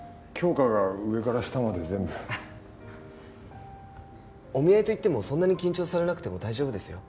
杏花が上から下まで全部お見合いといってもそんなに緊張されなくても大丈夫ですよ